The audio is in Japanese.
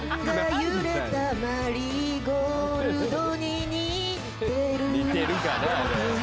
揺れたマリーゴールドに似てる似てるかな？